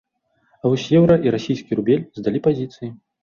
А вось еўра і расійскі рубель здалі пазіцыі.